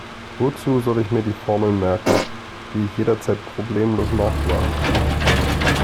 Wozu soll ich mir Formeln merken, die ich jederzeit problemlos nachschlagen kann?